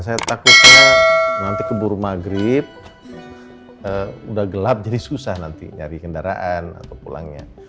saya takutnya nanti keburu maghrib udah gelap jadi susah nanti nyari kendaraan atau pulangnya